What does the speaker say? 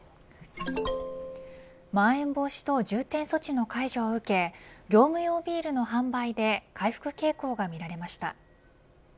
まん延防止等重点措置の解除を受け業務用ビールの販売で回復傾向が見られました。